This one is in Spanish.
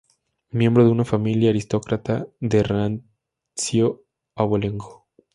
Miembro de una familia aristócrata de rancio abolengo.